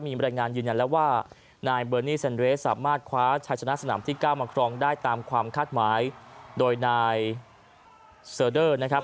มีบรรยายงานยืนยันแล้วว่านายเบอร์นี่เซ็นเรสสามารถคว้าชัยชนะสนามที่เก้ามาครองได้ตามความคาดหมายโดยนายเซอร์เดอร์นะครับ